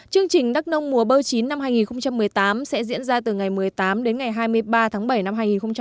chương trình đắk nông mùa bơ chín năm hai nghìn một mươi tám sẽ diễn ra từ ngày một mươi tám đến ngày hai mươi ba tháng bảy năm hai nghìn một mươi chín